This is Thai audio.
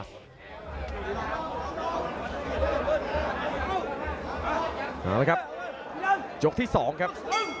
ยกที่สองครับ